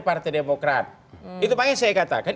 partai demokrat itu makanya saya katakan